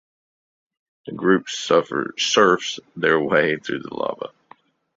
The group surfs their way through the lava.